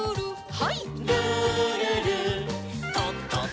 はい。